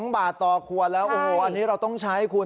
๒บาทต่อขวดแล้วโอ้โหอันนี้เราต้องใช้คุณ